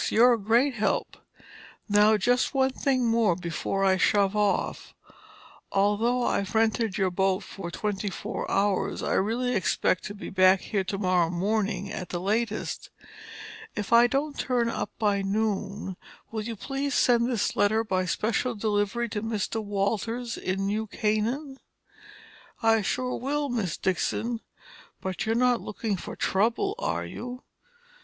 You're a great help. Now, just one thing more before I shove off. Although I've rented your boat for twenty four hours, I really expect to be back here tomorrow morning at the latest. If I don't turn up by noon, will you please send this letter by special delivery to Mr. Walters in New Canaan?" "I sure will, Miss Dixon. But you're not lookin' for trouble, are you?"